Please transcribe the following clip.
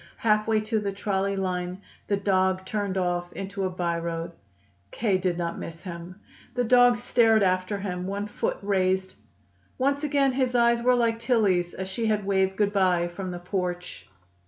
Halfway to the trolley line, the dog turned off into a by road. K. did not miss him. The dog stared after him, one foot raised. Once again his eyes were like Tillie's, as she had waved good bye from the porch.